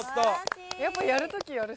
やっぱやるときやる。